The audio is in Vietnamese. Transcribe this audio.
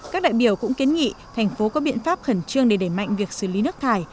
các đại biểu cũng kiến nghị thành phố có biện pháp khẩn trương để đẩy mạnh việc xử lý nước thải